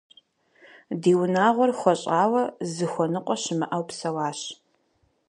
Ди унагъуэр хуэщӀауэ, зыхуэныкъуэ щымыӀэу псэуащ.